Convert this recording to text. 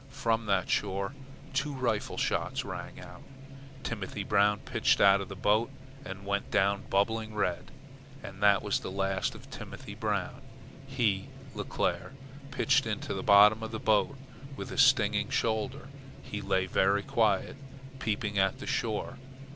From that shore two rifle shots rang out. Timothy Brown pitched out of the boat and went down bubbling red, and that was the last of Timothy Brown. He, Leclere, pitched into the bottom of the boat with a stinging shoulder. He lay very quiet, peeping at the shore.